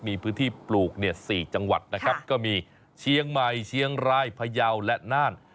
มีพื้นที่ปลูกเนี่ย๔จังหวัดนะครับก็มีเชียงใหม่เชียงรายพยาวและน่าน